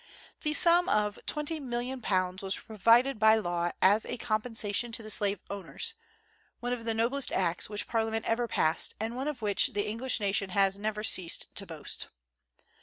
The sum of £20,000,000 was provided by law as a compensation to the slave owners, one of the noblest acts which Parliament ever passed, and one of which the English nation has never ceased to boast.